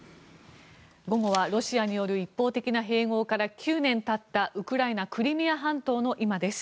午後はロシアによる一方的な併合から９年たったウクライナ・クリミア半島の今です。